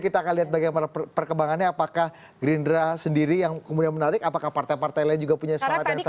kita akan lihat bagaimana perkembangannya apakah gerindra sendiri yang kemudian menarik apakah partai partai lain juga punya semangat yang sama